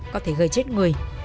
có thể gây chết người